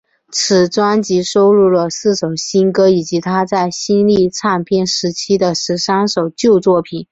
此专辑收录了四首新歌以及她在新力唱片时期的十三首旧作品。